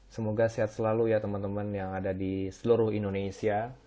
semoga sehat selalu ya teman teman yang ada di seluruh indonesia